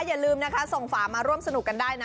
อย่าลืมนะคะส่งฝามาร่วมสนุกกันได้นะ